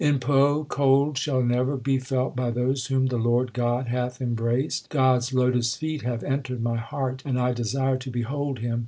In Poh cold shall never be felt by those whom the Lord God hath embraced. God s lotus feet have entered my heart, and I desire to behold Him.